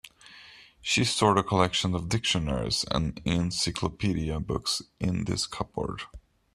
She stored a collection of dictionaries and encyclopedia books in this cupboard.